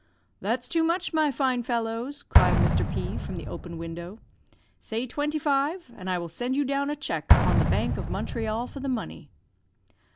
"'That's too much, my fine fellows!' cried Mr. P from the open window. 'Say twenty five, and I will send you down a cheque upon the bank of Montreal for the money.'